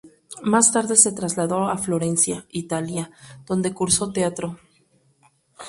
Más tarde se trasladó a Florencia, Italia, donde cursó teatro.